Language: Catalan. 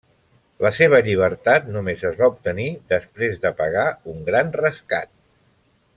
La seva llibertat només es va obtenir després de pagar un gran rescat.